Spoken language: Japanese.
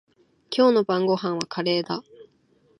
今日の晩ごはんはカレーだ。